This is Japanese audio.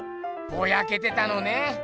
ボヤけてたのね。